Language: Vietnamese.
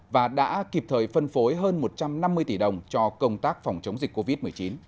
và đã kịp thời phân phối hơn một trăm năm mươi tỷ đồng cho công tác phòng chống dịch covid một mươi chín